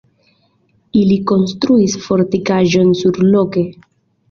Ili konstruis fortikaĵon surloke.